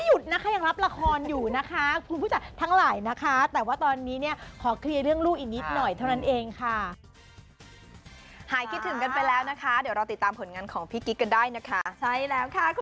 เยี่ยมอยู่นะคะคุณพูดจังทั้งหลายนะคะแต่ว่าตอนนี้เนี่ยขอเคลียร์เรื่องรูอีกนิดหน่อยเท่านั้นเองค่ะว่าให้คิดถึงเพลินไปแล้วนะคะเดี๋ยวเราติดตามผลงานของพี่กิ๊กก็ได้นะคะใช่แล้ว